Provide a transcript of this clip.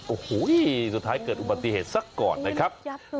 โอ้โหสุดท้ายเกิดอุบัติเหตุซะก่อนนะครับ